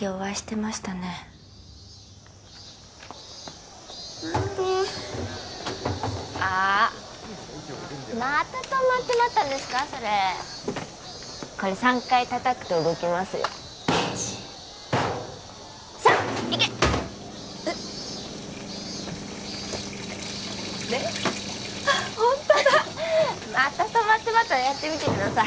また止まってまったらやってみてください